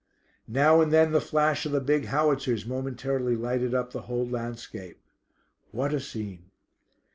Now and then the flash of the big howitzers momentarily lighted up the whole landscape. What a scene!